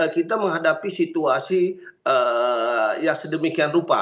kita menghadapi situasi yang sedemikian rupa